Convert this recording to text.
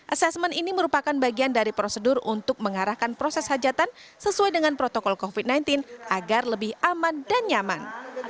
asesmen ini merupakan bagian dari prosedur untuk mengarahkan proses hajatan sesuai dengan protokol covid sembilan belas agar lebih aman dan nyaman